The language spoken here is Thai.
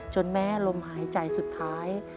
แม้ลมหายใจสุดท้าย